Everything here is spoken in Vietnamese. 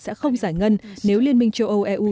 sẽ không giải ngân nếu liên minh châu âu eu